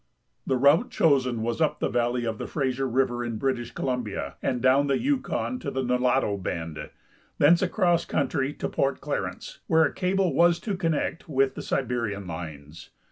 The route chosen was up the valley of the Fraser river in Eritish Columbia and down the Yukon to the Nulato bend, thence across country to Port Clarence, where a caljle was to con nect with the Siberian lines.